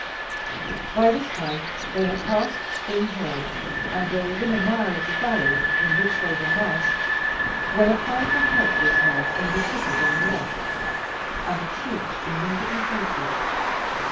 By this time they had passed Spring Hill, and were within a mile of the valley in which lay the marsh, when a cry for help was heard in the thicket on the left, and the troop immediately halted.